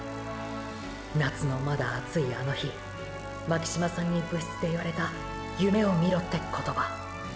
夏のまだ暑いあの日巻島さんに部室で言われた「夢を見ろ」って言葉。